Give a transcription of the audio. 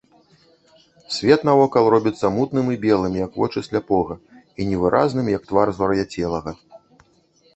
Свет навокал робіцца мутным і белым, як вочы сляпога, і невыразным, як твар звар'яцелага.